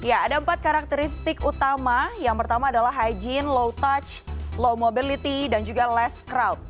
ya ada empat karakteristik utama yang pertama adalah hygiene low touch low mobility dan juga less crowd